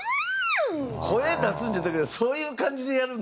声出すんじゃなくてそういう感じでやるの？